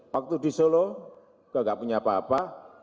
waktu di solo enggak punya apa apa